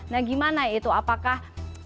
nah gimana itu apakah